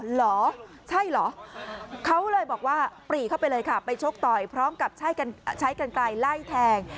เหรอใช่เหรอเขาเลยบอกว่าปรีเข้าไปเลยค่ะไปชกต่อยพร้อมกับใช้กันไกลไล่แทง